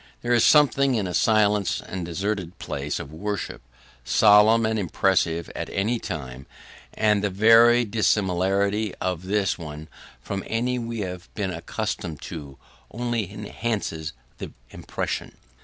There is something in a silent and deserted place of worship, solemn and impressive at any time; and the very dissimilarity of this one from any we have been accustomed to, only enhances the impression.